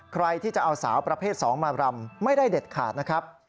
ใครที่จะเอาสาวประเภท๒มารำไม่ได้เด็ดขาดนะครับ